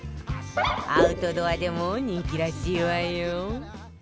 アウトドアでも人気らしいわよ